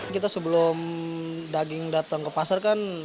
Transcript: kita sebelum daging datang ke pasar kan